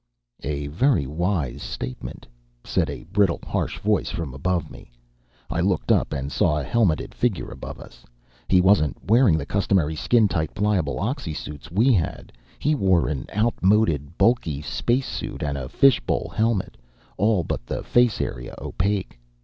"A very wise statement," said a brittle, harsh voice from above me. I looked up and saw a helmeted figure above us. He wasn't wearing the customary skin tight pliable oxysuits we had. He wore an outmoded, bulky spacesuit and a fishbowl helmet, all but the face area opaque.